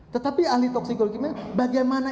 tetapi ahli toksikologi bagaimana